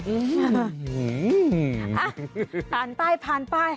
หื้อหื้ออ่ะผ่านไปผ่านไป